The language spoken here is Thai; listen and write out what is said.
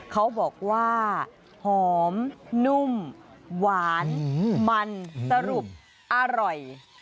เขาบอกว่าหอมนุ่มหวานมันสรุปอร่อย